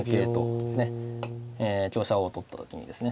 香車を取った時にですね